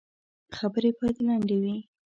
خبري باید لنډي وي .